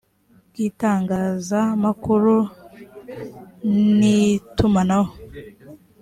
bw itangazamakuru n itumanaho